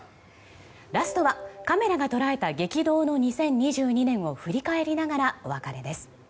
ラストは、カメラが捉えた激動の２０２２年を振り返りながらお別れです。